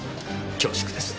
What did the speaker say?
恐縮です。